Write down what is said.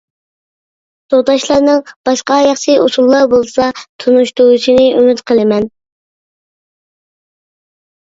تورداشلارنىڭ باشقا ياخشى ئۇسۇللار بولسا تونۇشتۇرۇشىنى ئۈمىد قىلىمەن.